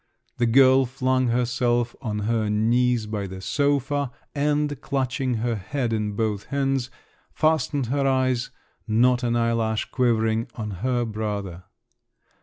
The girl flung herself on her knees by the sofa, and, clutching her head in both hands, fastened her eyes, not an eyelash quivering, on her brother.